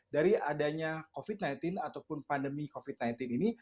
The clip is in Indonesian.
dari adanya covid sembilan belas ataupun pandemi covid sembilan belas ini